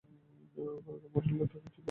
হারুদা মরলে তাকে কে পুড়িয়েছিল পরাণ?